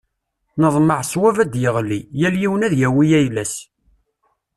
Neḍmeɛ ṣṣwab ad d-yeɣli, yal yiwen ad yawi ayla-s.